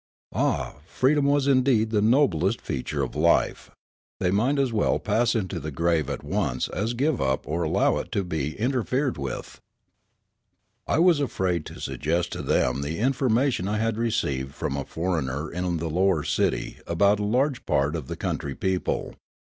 Ah, freedom was indeed the noblest feature of life ; they 107 io8 Riallaro might as well pass into the grave at once as give it up or allow it to be interfered with. I was afraid to suggest to them the information I had received from a foreigner in the lower city about a large part of the country people.